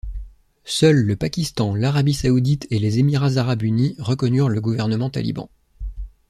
Seuls le Pakistan, l'Arabie saoudite et les Émirats arabes unis reconnurent le gouvernement taliban.